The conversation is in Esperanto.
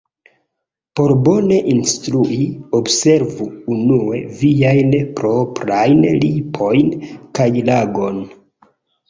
Por bone instrui, observu unue viajn proprajn lipojn kaj langon.